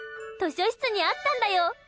図書室にあったんだよ。